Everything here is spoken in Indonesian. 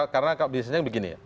karena bisnisnya begini